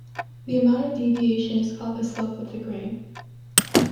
The amount of deviation is called the slope of the grain.